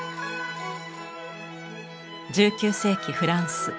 １９世紀フランス。